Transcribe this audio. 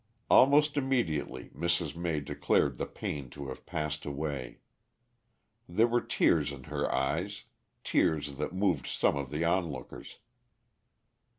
Almost immediately Mrs. May declared the pain to have passed away. There were tears in her eyes tears that moved some of the onlookers.